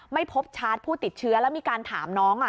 ไม่พบชาร์จผู้ติดเชื้อแล้วมีการถามน้อง